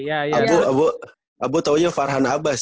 abu tau nya farhan abbas